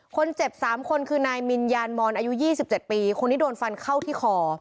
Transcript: คนเจ็บสามคนคือนายมินยานมอนอายุยี่สิบเจ็บปีคนนี้โดนฟันเข้าที่คอ